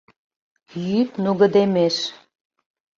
Йӱд нугыдемеш.